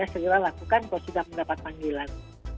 segera lakukan kalau sudah mendapat panggilan